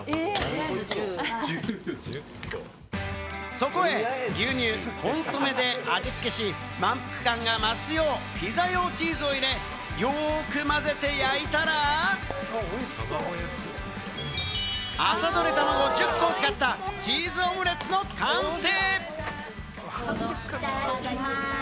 そこへ牛乳、コンソメで味付けし、満腹感が増すよう、ピザ用チーズを入れ、よく混ぜて焼いたら、朝どれたまご１０個を使ったチーズオムレツの完成。